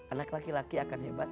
anak laki laki akan hebat